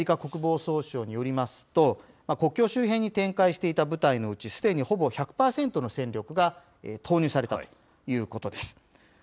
アメリカ国防総省によりますと、国境周辺に展開していた部隊のうち、すでに、ほぼ１００％の戦力が投入されたということです。